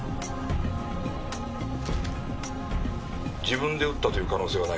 自分で撃ったという可能性はないか？